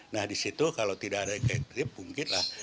nah disitu kalau tidak ada efektif mungkin lah